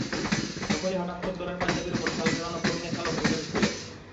তখনই হঠাত্ খদ্দরের পাঞ্জাবির ওপর শাল জড়ানো প্রবীণ একটা লোক ঢোকেন স্কুলে।